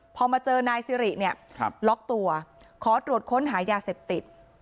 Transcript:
พอมาเจอนายสิริเนี่ยล็อกตัวขอตรวจค้นหายาเสพติด